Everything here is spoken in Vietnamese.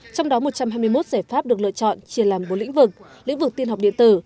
trong đó một trăm hai mươi một giải pháp được lựa chọn chia làm bốn lĩnh vực lĩnh vực tiên học điện tử